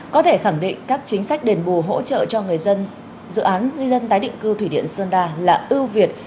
có thể khẳng định các chính sách đền bù hỗ trợ cho người dân dự án di dân tái định cư thủy điện sơn la là ưu việt